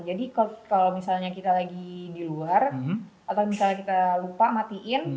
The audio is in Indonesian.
jadi kalau misalnya kita lagi di luar atau misalnya kita lupa matiin